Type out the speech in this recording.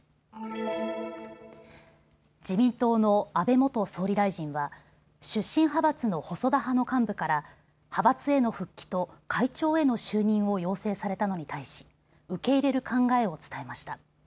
自民党の安倍元総理大臣は出身派閥の細田派の幹部から派閥への復帰と会長への就任を要請されたのに対し、受け入れる考えを伝えました。